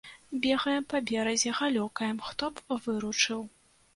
Бегаем па беразе, галёкаем, хто б выручыў.